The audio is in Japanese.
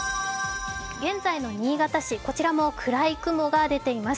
現在の新潟市、こちらも暗い雲が出ています。